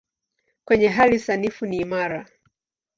Kwenye hali sanifu ni imara.